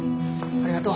ありがとう。